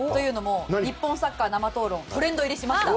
「＃日本サッカー生討論」がトレンド入りしました。